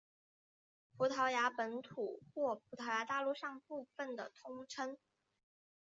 葡萄牙本土或葡萄牙大陆上部分的通称。